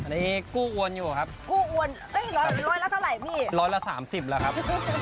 อันนี้กู้อวนอยู่ครับกู้อวนเอ้ยร้อยละเท่าไหร่พี่ร้อยละสามสิบแล้วครับ